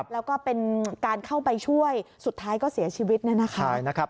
แล้วก็เป็นการเข้าไปช่วยสุดท้ายก็เสียชีวิตเนี่ยนะคะ